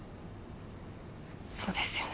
そうですよね。